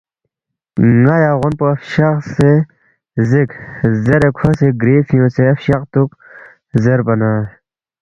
ن٘ا یا غون پو فشقسے زیک“ زیرے کھو سی گری فیُونگسے فشقتُوک زیربا نہ